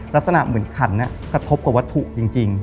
ลักษณะเหมือนขันกระทบกับวัตถุจริง